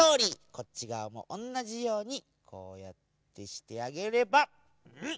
こっちがわもおんなじようにこうやってしてあげればうん！